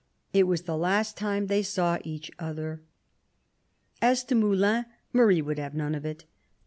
It was the last time they saw each other." As to Moulins, Marie would have none of it.